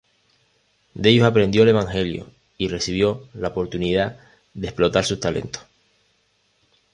De ellos aprendió el evangelio y recibió la oportunidad de explotar sus talentos.